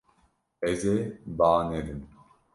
Ez ê ba nedim.